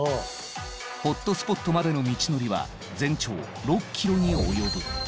ホットスポットまでの道のりは全長６ｋｍに及ぶ。